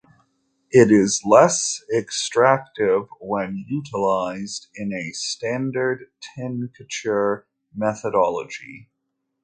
It is less extractive when utilized in a standard tincture methodology.